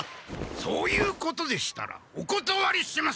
そういうことでしたらおことわりします！